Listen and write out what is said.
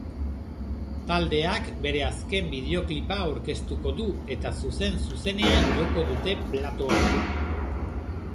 Taldeak bere azken bideoklipa aurkeztuko du eta zuzen zuzenean joko dute platoan.